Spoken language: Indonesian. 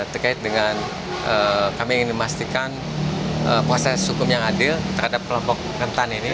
terkait dengan kami ingin memastikan proses hukum yang adil terhadap kelompok rentan ini